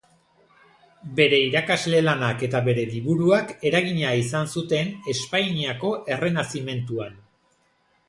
Bere irakasle-lanak eta bere liburuak eragina izan zuten Espainiako Errenazimentuan.